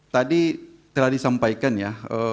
tadi telah disampaikan ya